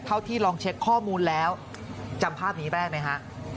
ที่ลองเช็คข้อมูลแล้วจำภาพนี้ได้ไหมฮะ